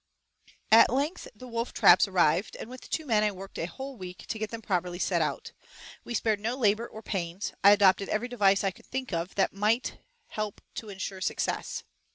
At length the wolf traps arrived, and with two men I worked a whole week to get them properly set out. We spared no labor or pains, I adopted every device I could think of that might help to insure success.